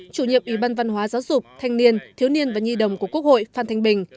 chủ nhiệm ủy ban văn hóa giáo dục thanh niên thiếu niên và nhi đồng của quốc hội phan thanh bình